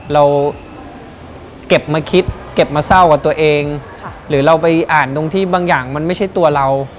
เราเก็บมาคิดเก็บมาเศร้ากับตัวเองหรือเราไปอ่านตรงที่บางอย่างมันไม่ใช่ตัวเรา